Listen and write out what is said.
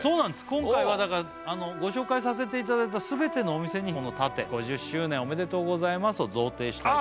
今回はご紹介させていただいた全てのお店にこの盾５０周年おめでとうございますを贈呈したいと思います